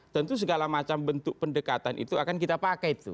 tentu segala macam bentuk pendekatan itu akan kita pakai tuh